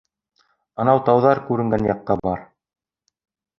Анау тауҙар күренгән яҡҡа бар.